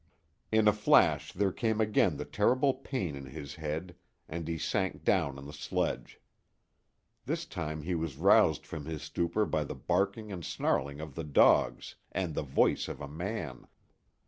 In a flash there came again the terrible pain in his head, and he sank down on the sledge. This time he was roused from his stupor by the barking and snarling of the dogs and the voice of a man.